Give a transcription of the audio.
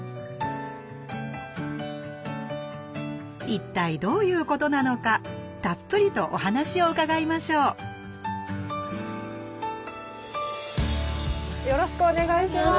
一体どういうことなのかたっぷりとお話を伺いましょうよろしくお願いします。